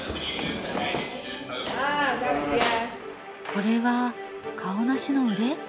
これはカオナシの腕？